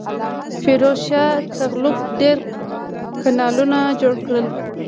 فیروز شاه تغلق ډیر کانالونه جوړ کړل.